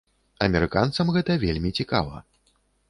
Амерыканцам гэта вельмі цікава.